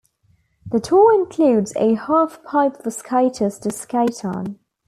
The tour includes a half pipe for skaters to skate on.